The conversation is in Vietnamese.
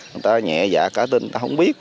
người ta nhẹ dạ cá tên người ta không biết